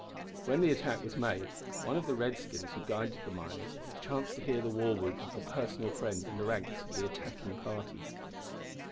When the attack was made, one of the redskins who guided the miners chanced to hear the war whoop of a personal friend in the ranks of the attacking party.